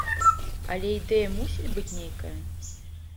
Але ідэя мусіць быць нейкая.